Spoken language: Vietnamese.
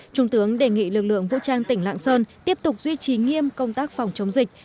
trung tướng đề nghị lực lượng vũ trang tỉnh lạng sơn tiếp tục duy trì nghiêm công tác phòng chống dịch